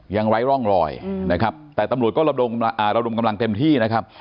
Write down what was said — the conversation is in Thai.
ยังไร้ร่องรอยแต่ตำรวจเขาเรารวมกำลังเต็มที่